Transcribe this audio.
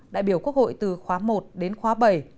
đại biểu quốc hội từ khóa một đến khóa bảy